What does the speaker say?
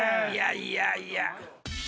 いやいやいや。